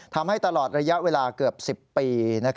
ทำให้ตลอดระยะเวลาเกือบ๑๐ปี